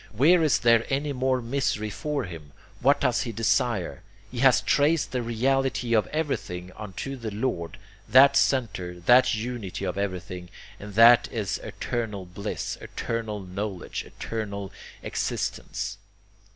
Where is there any more misery for him? What does he desire? He has traced the reality of everything unto the Lord, that centre, that Unity of everything, and that is Eternal Bliss, Eternal Knowledge, Eternal Existence.